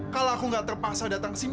kalau aku gak terpaksa datang kesini